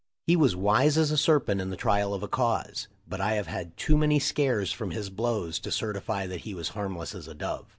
He was wise as a serpent in the trial of a cause, but I have had too many scares from his blows to certify that he was harmless as a dove.